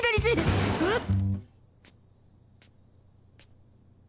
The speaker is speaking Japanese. えっ！